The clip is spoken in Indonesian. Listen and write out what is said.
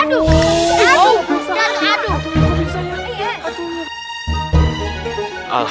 aduh aduh aduh